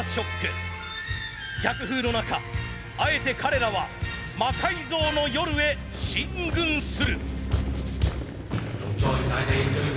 逆風の中あえて彼らは「魔改造の夜」へ進軍する。